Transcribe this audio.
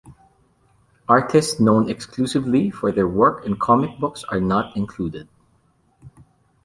Artists known exclusively for their work in comic books are not included.